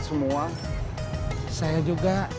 dan mereka akan memilih cara yang terbaik